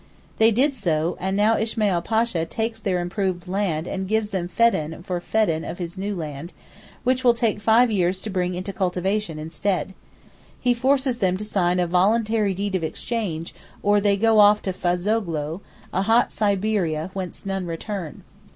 They did so, and now Ismail Pasha takes their improved land and gives them feddan for feddan of his new land, which will take five years to bring into cultivation, instead. He forces them to sign a voluntary deed of exchange, or they go off to Fazogloo, a hot Siberia whence none return.